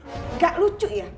tante gak lucu ya